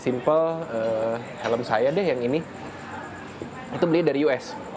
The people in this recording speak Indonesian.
dibeli dari amerika serikat